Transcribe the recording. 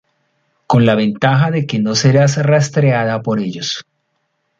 con la ventaja de que no serás rastreada por ellos